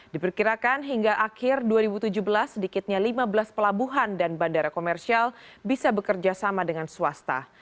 diperkirakan hingga akhir dua ribu tujuh belas sedikitnya lima belas pelabuhan dan bandara komersial bisa bekerja sama dengan swasta